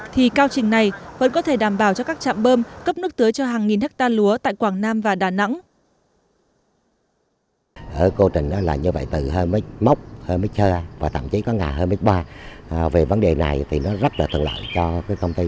thì cao trình này vẫn có thể đảm bảo cho các trạm bơm cấp nước tưới cho hàng nghìn hectare lúa tại quảng nam và đà nẵng